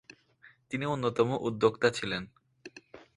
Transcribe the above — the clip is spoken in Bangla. তিনি অন্যতম উদ্যোক্তা ছিলেন।